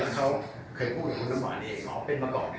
แล้วเขาเคยพูดถึงคุณน้ำหวานเองอ๋อเป็นประกอบเลย